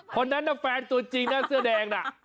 คนนั้นน่ะแฟนตัวจริงนะเสื้อแดงน่ะ